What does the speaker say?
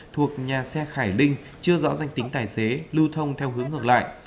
thuộc nhà xe khải linh chưa rõ danh tính tài xế lưu thông theo hướng ngược lại